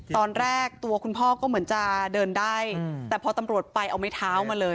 ตอนแรกตัวคุณพ่อก็เหมือนจะเดินได้แต่พอตำรวจไปเอาไม้เท้ามาเลย